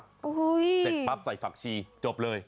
เสร็จปั๊บใส่ผักชีจบเลย